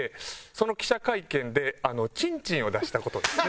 その記者会見でちんちんを出した事です。